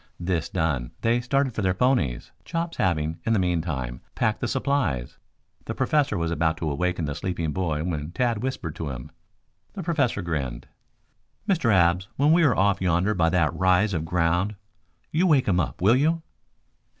This done they started for their ponies, Chops having, in the meantime, packed the supplies. The Professor was about to awaken the sleeping boy when Tad whispered to him. The Professor grinned. "Mr. Abs, when we are off yonder by that rise of ground you wake him up, will you?"